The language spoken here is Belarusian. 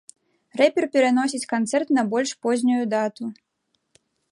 Рэпер пераносіць канцэрт на больш познюю дату.